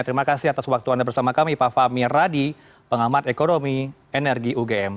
terima kasih atas waktu anda bersama kami pak fahmi radi pengamat ekonomi energi ugm